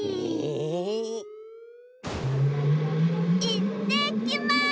いってきます！